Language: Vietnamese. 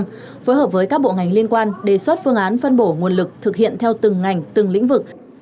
phối hợp với các bộ ngành liên quan đề xuất phương án phân bổ nguồn lực thực hiện theo từng ngành từng lĩnh vực